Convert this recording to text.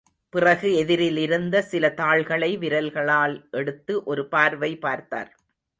பிறகு எதிரில் இருந்த சில தாள்களை விரல்களால் எடுத்து ஒரு பார்வை பார்த்தார்.